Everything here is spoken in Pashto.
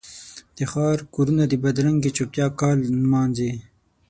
د ښار کورونه د بدرنګې چوپتیا کال نمانځي